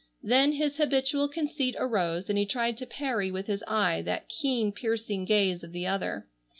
Then his habitual conceit arose and he tried to parry with his eye that keen piercing gaze of the other.